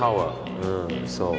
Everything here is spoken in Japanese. うんそう。